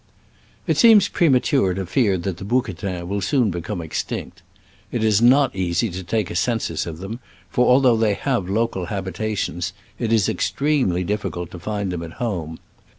It seems premature to fear that the bouquetins will soon become extinct. It is not easy to take a census of them, for, although they have local habitations, it is extremely difficult to find them at home.